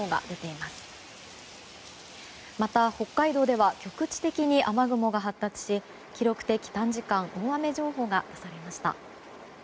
また、北海道では局地的に雨雲が発達し記録的短時間大雨情報が出されました。